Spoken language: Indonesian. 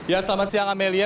ya selamat siang amelia